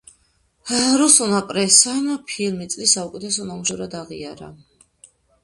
რუსულმა პრესამ ფილმი წლის საუკეთესო ნამუშევრად აღიარა.